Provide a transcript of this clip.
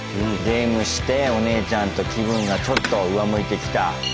ゲームしてお姉ちゃんと気分がちょっと上向いてきた。